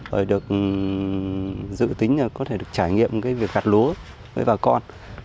rồi được dự tính là có thể được trải nghiệm cái việc gạt lúa với bà con